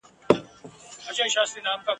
غواړم یوازي در واري سمه جانان یوسفه ..